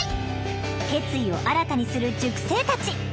決意を新たにする塾生たち。